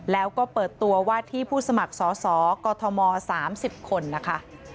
แล้วก็เปิดตัวว่าที่ผู้สมัครสอสอกอทม๓๐คนนะคะ